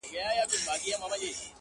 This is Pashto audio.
او ځیني کرار